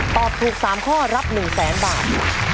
ตอบถูก๓ข้อรับ๑แสนบาท